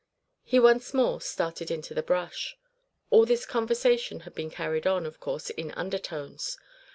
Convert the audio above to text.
He once more started into the brush. All this conversation had been carried on, of course, in undertones.